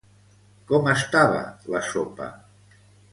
Com estava la sopa?